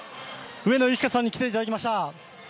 上野由岐子さんに来ていただきました。